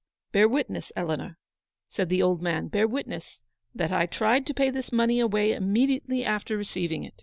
"Bear witness, Eleanor/' said the old man, "bear witness that I tried to pay this money away immediately after receiving it.